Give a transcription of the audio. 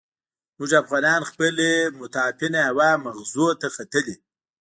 موږ افغانان خپل متعفنه هوا مغزو ته ختلې.